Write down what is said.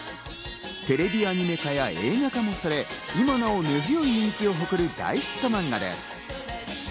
テレビアニメ化や映画化もされ、今なお根強い人気を誇る大ヒットマンガです。